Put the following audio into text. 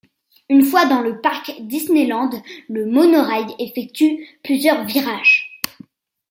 Une fois dans le parc Disneyland, le monorail effectue plusieurs virages.